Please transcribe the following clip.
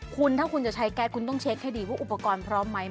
คุณถ้าคุณจะใช้แก๊สคุณต้องเช็คให้ดีว่าอุปกรณ์พร้อมไหม